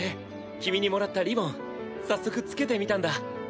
君にもらったリボン早速付けてみたんだ。